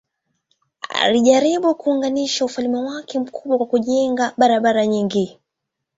Alijaribu kuunganisha ufalme wake mkubwa kwa kujenga barabara nyingi.